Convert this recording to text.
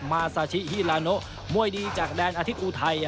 มาซาชิฮิลาโนมวยดีจากแดนอาทิตย์อุทัย